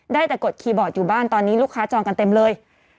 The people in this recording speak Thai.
ได้แต่กดคีย์บอร์ดอยู่บ้านตอนนี้ลูกค้าจองกันเต็มเลย